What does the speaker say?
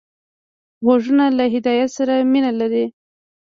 غوږونه له هدایت سره مینه لري